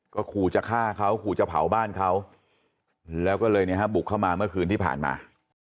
ก็ขู่จะฆ่าเขาขู่จะเผาบ้านเขาแล้วก็เลยบุกเข้ามาเมื่อคืนที่ผ่านมา